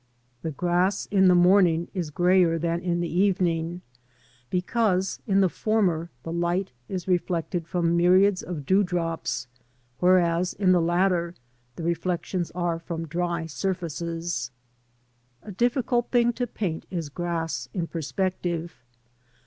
The grass in the morning is greyer than in the evening, because in the former the light is reflected from myriads of dewdrops, whereas in the latter the reflections are from dry surfaces. A difficult thing to paint is grass in perspective.